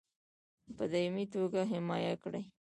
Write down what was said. په دایمي توګه حمایه کړي.